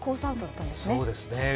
アウトだったんですね。